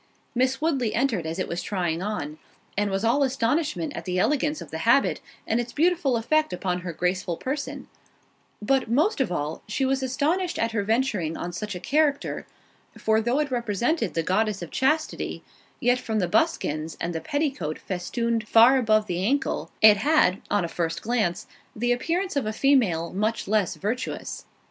Miss Woodley entered as it was trying on, and was all astonishment at the elegance of the habit, and its beautiful effect upon her graceful person; but, most of all, she was astonished at her venturing on such a character—for though it represented the goddess of Chastity, yet from the buskins, and the petticoat festooned far above the ankle, it had, on a first glance, the appearance of a female much less virtuous.